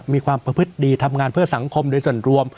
มีความประพฤติดีทำงานเพื่อสังคมโดยส่วนรวม